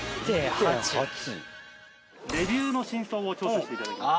レビューの真相を調査していただきます。